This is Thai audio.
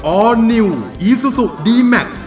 อร์นิวอีซูซูดีแม็กซ์